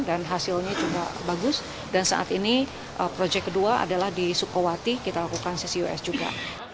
dan hasilnya juga bagus dan saat ini proyek kedua adalah di sukowati kita lakukan ccus juga